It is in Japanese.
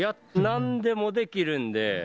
なんでもできるんで。